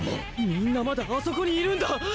みんなまだあそこにいるんだ。